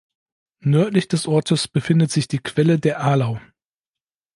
Nördlich des Ortes befindet sich die Quelle der Arlau.